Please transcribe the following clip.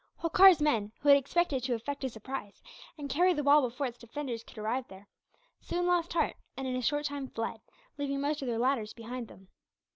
Holkar's men, who had expected to effect a surprise, and carry the wall before its defenders could arrive there, soon lost heart and in a short time fled, leaving most of their ladders behind them.